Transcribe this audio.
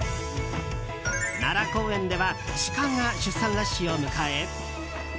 奈良公園ではシカが出産ラッシュを迎え。